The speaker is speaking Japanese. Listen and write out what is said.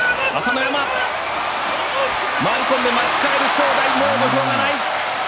正代、土俵がない。